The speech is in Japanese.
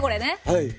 はい。